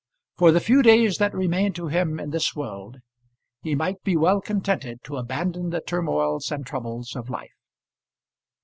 For the few days that remained to him in this world, he might be well contented to abandon the turmoils and troubles of life.